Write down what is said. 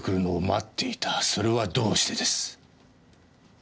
それはどうしてです？